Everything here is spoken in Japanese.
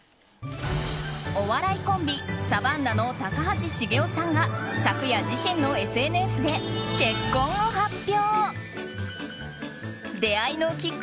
お笑いコンビサバンナの高橋茂雄さんが昨夜、自身のＳＮＳで結婚を発表！